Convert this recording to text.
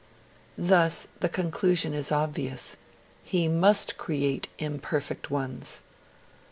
Thus the conclusion is obvious: He must create imperfect ones.